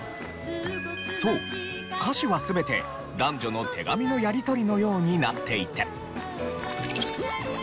そう歌詞は全て男女の手紙のやり取りのようになっていて。